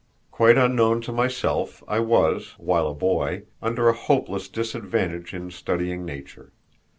Quite unknown to myself, I was, while a boy, under a hopeless disadvantage in studying nature.